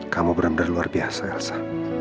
kamu benar benar luar biasa elsa